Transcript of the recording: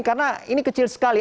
karena ini kecil sekali